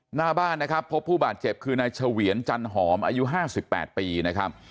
หน้าบ้านนะครับพบผู้บาดเจ็บคือนายเฉวียนจันหอมอายุ๕๘ปีนะครับ